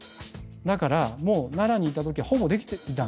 だから奈良にいた時はほぼできていた。